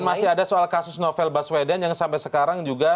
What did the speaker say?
dan masih ada soal kasus novel baswedan yang sampai sekarang juga